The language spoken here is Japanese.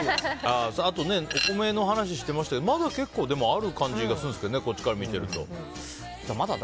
あと、お米の話してましたけどある感じがするんですけどこっちから見てると。